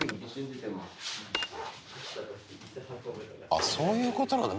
あ、そういうことなんだ。